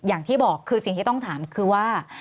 อย่างที่บอกคือสิ่งที่ต้องถามคือว่า